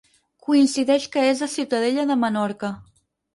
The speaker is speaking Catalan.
Coincideix que és a Ciutadella de Menorca.